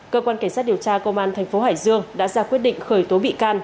cơ quan cảnh sát điều tra công an thành phố hải dương đã ra quyết định khởi tố bị can